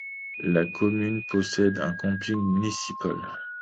La commune possède un camping municipal.